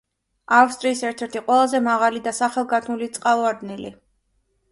ავსტრიის ერთ-ერთი ყველაზე მაღალი და სახელგანთქმული წყალვარდნილი.